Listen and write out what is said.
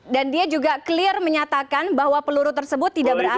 dan dia juga clear menyatakan bahwa peluru itu berasal dari tempat perbakin